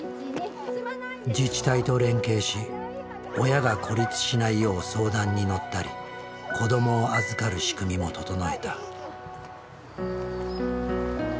自治体と連携し親が孤立しないよう相談に乗ったり子どもを預かる仕組みも整えた。